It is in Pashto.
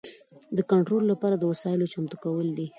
د کنټرول لپاره د وسایلو چمتو کول دي.